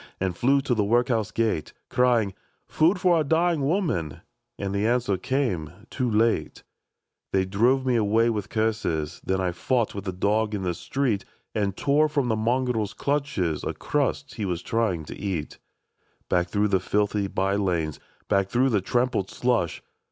And flew to the workhouse gate, Crying, * Food for a dying woman !' And the answer came, * Too late.* 14 THE DAG ONE T BALLADS. They drove me away with curses ; Then I fought with a dog in the street. And tore from the mongrel's clutches A crust he was trying to eat. " Back, through the filthy by lanes ! Back, through the trampled slush